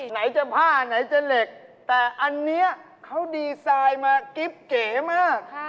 ไหนจะผ้าไหนจะเหล็กแต่อันนี้เขาดีไซน์มากิ๊บเก๋มาก